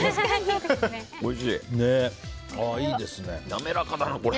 滑らかだな、これ。